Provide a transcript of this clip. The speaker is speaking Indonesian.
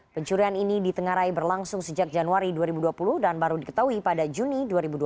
pencurian ini ditengarai berlangsung sejak januari dua ribu dua puluh dan baru diketahui pada juni dua ribu dua puluh